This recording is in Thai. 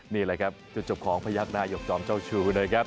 นี่เลยครับจะจบของพระยักษณะหน้ายกจอมเจ้าชู้ด้วยครับ